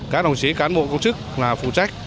các đồng chí cán bộ công chức là phụ trách